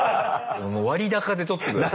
もう割高で取って下さい。